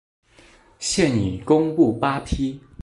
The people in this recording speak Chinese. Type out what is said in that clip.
现已公布八批。